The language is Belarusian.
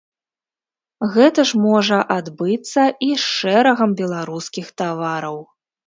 Гэта ж можа адбыцца і з шэрагам беларускіх тавараў.